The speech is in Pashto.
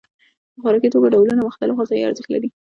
د خوراکي توکو ډولونه مختلف غذایي ارزښت لري.